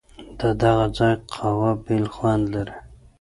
ددغه ځای قهوه بېل خوند لري.